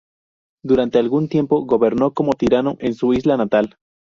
Durante algún tiempo gobernó como tirano en su isla natal.